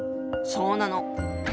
そうなの。